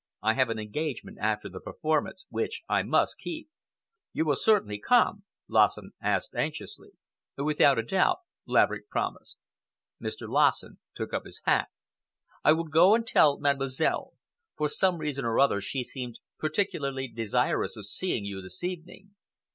I have an engagement after the performance which I must keep." "You will certainly come?" Lassen asked anxiously. "Without a doubt," Laverick promised. Mr. Lassen took up his hat... "I will go and tell Mademoiselle. For some reason or other she seemed particularly desirous of seeing you this evening.